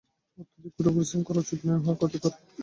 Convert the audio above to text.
অত্যধিক কঠোর পরিশ্রম করা উচিত নয়, উহা ক্ষতিকর।